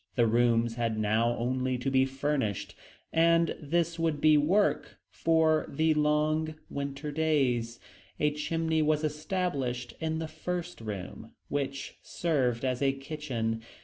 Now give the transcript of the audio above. The rooms had now only to be furnished, and this would be work for the long winter days. A chimney was established in the first room, which served as a kitchen.